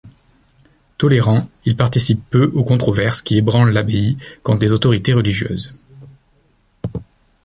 Tolérant, il participe peu aux controverses qui ébranlent l’abbaye contre les autorités religieuses.